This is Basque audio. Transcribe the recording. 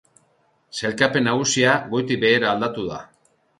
Sailkapen nagusia goitik behera aldatu da.